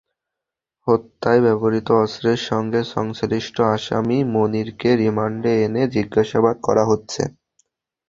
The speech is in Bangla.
হত্যায় ব্যবহৃত অস্ত্রের সঙ্গে সংশ্লিষ্ট আসামি মনিরকে রিমান্ডে এনে জিজ্ঞাসাবাদ করা হচ্ছে।